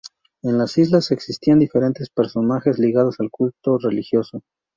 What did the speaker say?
En las islas existían diferentes personajes ligados al culto religioso.